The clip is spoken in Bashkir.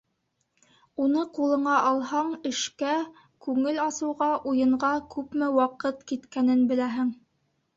Уны ҡулыңа алһаң, эшкә, күңел асыуға, уйынға күпме ваҡыт киткәнен беләһең.